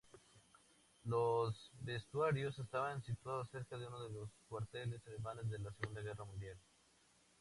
Los vestuarios estaban situados cerca de unos cuarteles alemanes de la Segunda Guerra Mundial.